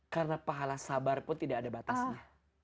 karena pahala sabar pun tidak ada batasnya